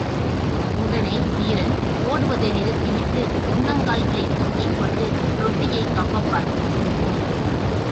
உடனே வீரன், ஓடுவதை நிறுத்திவிட்டு முன்னங்கால்களைத் தூக்கிக்கொண்டு ரொட்டியைக் கௌவப் பார்க்கும்.